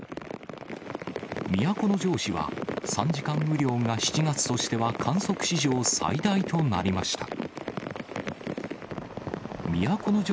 都城市は、３時間雨量が７月としては観測史上最大となりました。